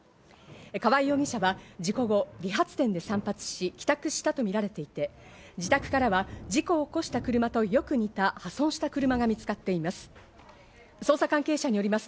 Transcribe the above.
川合容疑者は事故後、理髪店で散髪し帰宅したとみられていて、自宅からは事故を起こした車とよく似た破損した車が見つかっています。